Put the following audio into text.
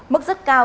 mức rất cao